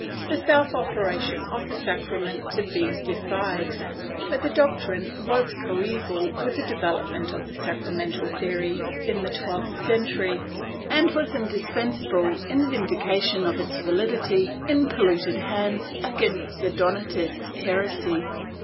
viii) the self operation of the sacrament to be de fide, but the doctrine was coeval with the development of the sacramental theory in the twelfth century and was indispensable in vindication of its validity in polluted hands against the Donatist heresy.